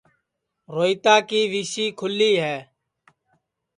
روہیتا کی ویسی کُھلی ہے